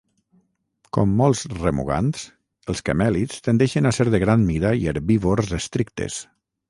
Com molts remugants, els camèlids tendeixen a ser de gran mida i herbívors estrictes.